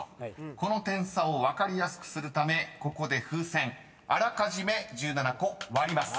［この点差を分かりやすくするためここで風船あらかじめ１７個割ります］